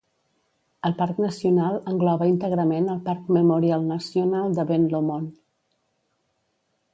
El parc nacional engloba íntegrament el Parc Memorial Nacional de Ben Lomond.